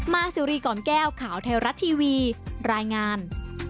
มาซีรีส์ก่อนแก้วข่าวแท้รัฐทีวีรายงาน